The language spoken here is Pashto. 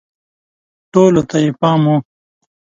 ټولو ته یې پام و